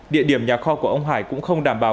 địa điểm nhà kho của ông hải cũng không đảm bảo